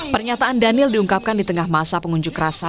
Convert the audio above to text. pernyataan daniel diungkapkan di tengah masa pengunjuk rasa